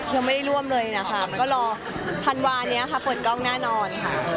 ยังไม่ได้ร่วมเลยนะคะก็รอธันวานี้ค่ะเปิดกล้องแน่นอนค่ะ